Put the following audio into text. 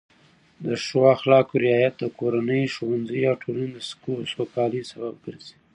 د ښو اخلاقو رعایت د کورنۍ، ښوونځي او ټولنې د سوکالۍ سبب ګرځي.